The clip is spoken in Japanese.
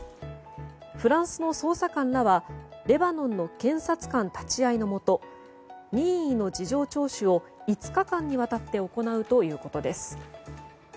フランスの捜査官らはレバノンの検察官立ち会いのもと任意の事情聴取を５日間にわたって行うということです。